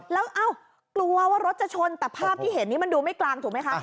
แล้วกลัวว่ารถจะชนแต่ภาพที่เห็นนี้มันดูไม่กลางถูกไหมคะ